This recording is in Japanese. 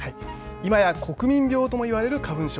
今や国民病とも言われる花粉症。